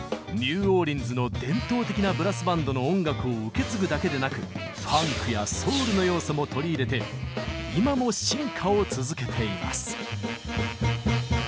ニューオーリンズの伝統的なブラスバンドの音楽を受け継ぐだけでなくファンクやソウルの要素も取り入れて今も進化を続けています。